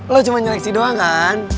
lo cuma nyeleksi doang kan